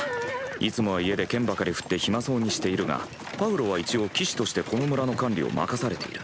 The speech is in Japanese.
いつもは家で剣ばかり振って暇そうにしているがパウロは一応騎士としてこの村の管理を任されている。